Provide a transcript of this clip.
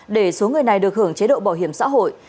để số người này được hưởng chế độ bảo hiểm xã hội